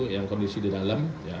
yang kondisi di dalam